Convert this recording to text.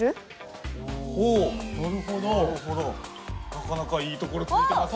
なかなかいいところついてます。